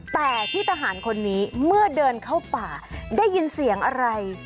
แต่พี่ทหารคนนี้เมื่อเดินเข้าป่าได้ยินเสียงอะไร